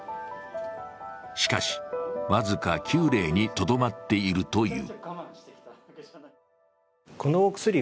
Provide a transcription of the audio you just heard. しかし、僅か９例にとどまっているという。